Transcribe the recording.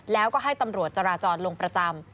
แล้วก็ให้ตำรวจจราจรลงประจำ